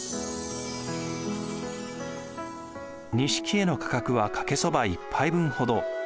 錦絵の価格はかけそば１杯分ほど。